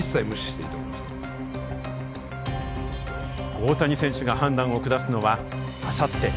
大谷選手が判断を下すのはあさって。